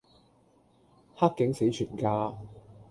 黑警死全家